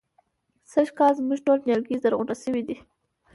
سږکال زموږ ټول نيالګي زرغونه شوي دي.